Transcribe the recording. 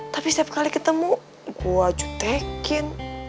tapi setiap kali ketemu gua jutekin